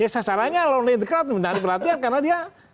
sasarannya kalau nanti berlatih karena dia